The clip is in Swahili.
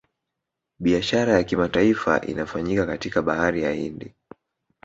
Biashara ya kimataifa inafanyika katika bahari ya hindi